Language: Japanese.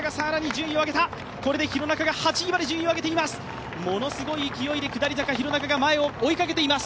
これで廣中が８位まで順位を上げています。